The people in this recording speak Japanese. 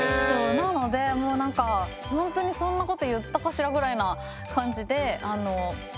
なのでほんとにそんなこと言ったかしらぐらいな感じで。